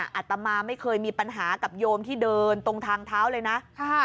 อัตมาไม่เคยมีปัญหากับโยมที่เดินตรงทางเท้าเลยนะ